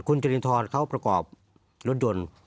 คุณจรินทรเขาประกอบรถยนต์